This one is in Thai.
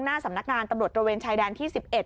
หน้าสำนักงานตำรวจตระเวนชายแดนที่๑๑